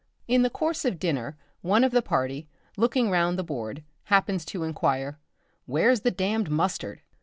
In the course of dinner, one of the party, looking round the board, happens to inquire, "Where's the damned mustard?"